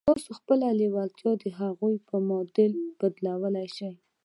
تاسې خپله لېوالتیا د هغې په معادل بدلولای شئ